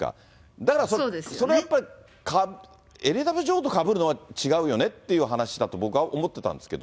だからそれやっぱり、エリザベス女王とかぶるのは違うよねって話だと僕は思ってたんですけど。